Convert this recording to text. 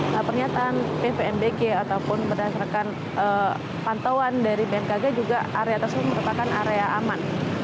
pembangunan bvmbg ataupun berdasarkan pantauan dari bnkg juga area tersebut merupakan area aman